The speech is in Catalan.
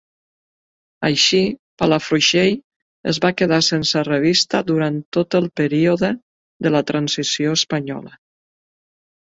Així, Palafrugell es va quedar sense revista durant tot el període de la Transició espanyola.